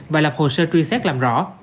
và lập hồ sơ truyền xét làm rõ